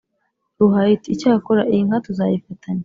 Ruhaya Iti: "Icyakora iyi nka tuzayifatanya"